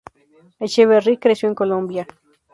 Echeverri creció en Colombia.